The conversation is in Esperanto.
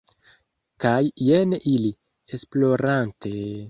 Kaj jen ili, esplorante...